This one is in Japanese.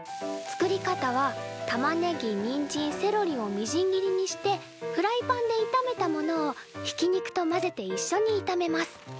作り方はたまねぎにんじんセロリをみじん切りにしてフライパンでいためたものをひき肉と混ぜていっしょにいためます。